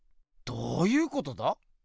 どういうことだ？